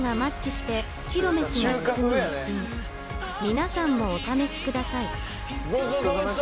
皆さんも、お試しください。